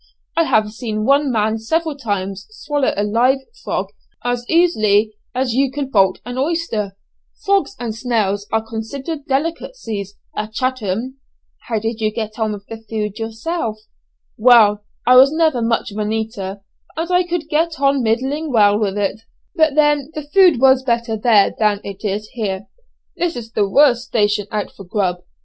I have seen one man several times swallow a live frog as easily as you could bolt an oyster. Frogs and snails are considered delicacies at Chatham." "How did you get on with the food yourself?" "Well, I was never much of an eater, and I could get on middling well with it; but then the food was better there than it is here. This is the worst station out for 'grub.'